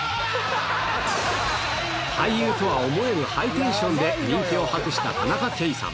俳優とは思えぬハイテンションで人気を博した田中圭さん。